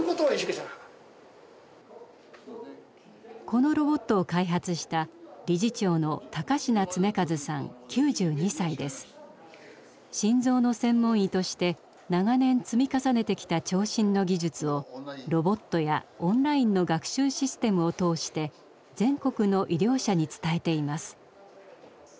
このロボットを開発した心臓の専門医として長年積み重ねてきた聴診の技術をロボットやオンラインの学習システムを通して全国の医療者に伝えています。